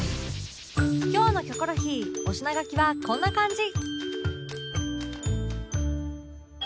今日の『キョコロヒー』お品書きはこんな感じ